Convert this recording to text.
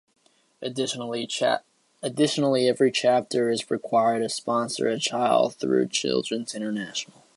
Additionally, every chapter is required to sponsor a child through Children's International.